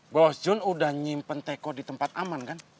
bos john udah nyimpen teko di tempat aman kan